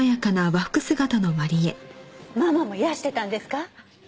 ママもいらしてたんですか？